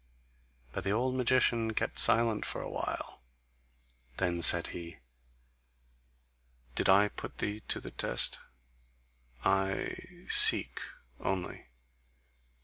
But the old magician kept silence for a while; then said he: "Did I put thee to the test? I seek only.